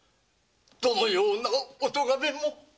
どのようなおとがめも。